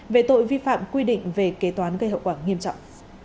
về tội vi phạm quy định về kế toán gây hậu quả nghiêm trọng